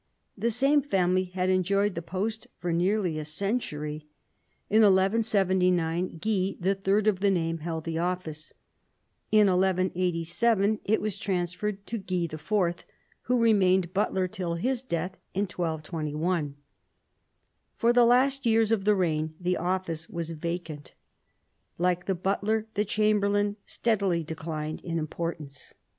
The same family had enjoyed the post for nearly a century. In 1179 Guy, the third of the name, held the office. In 1187 it was transferred to Guy the fourth, who remained butler till his death in 1221. For the last years of the reign the office was vacant. Like the butler, the chamberlain steadily declined in importance.